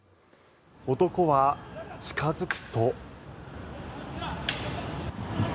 男は近付くと。